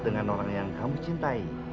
dengan orang yang kamu cintai